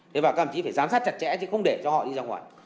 thế vào cầm chỉ phải giám sát chặt chẽ chứ không để cho họ đi ra ngoài